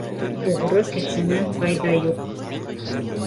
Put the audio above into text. Уғры кешенән файҙа юҡ.